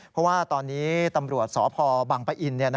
เพราะว่าตอนนี้ตำรวจสพบังปะอิน